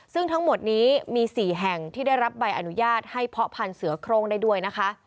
ซึ่งทั้งหมดนี้มี๔แห่งที่ได้รับใบอนุญาตให้เพาะพันธ์เสือโครงได้ด้วยนะคะ